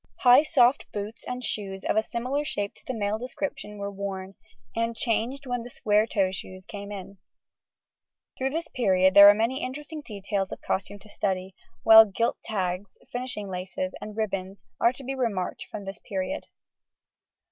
High, soft boots and shoes of a similar shape to the male description were worn, and changed when the square toe shoes came in. Through this period there are many interesting details of costume to study, while gilt tags, finishing laces, and ribbons are to be remarked from this period.